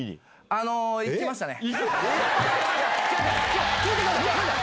あの、行きましたね。